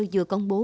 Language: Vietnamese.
vừa công bố